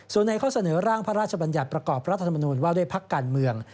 ส่วนในข้อเสนอร่างพระราชบัญญัติประกอบรัฐธรรมนูญว่าด้วยพักการเมือง